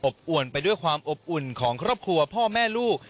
อ่วนไปด้วยความอบอุ่นของครอบครัวพ่อแม่ลูก